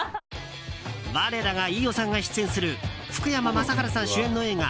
我らが飯尾さんが出演する福山雅治さん主演の映画